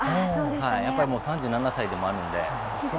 やっぱりもう３７歳でもあるんで。